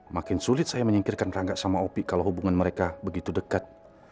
makin sulit saya menyingkirkan rangga sama opi kalau hubungan mereka begitu dekat